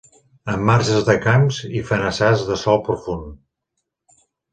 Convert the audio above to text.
En marges de camps i fenassars de sòl profund.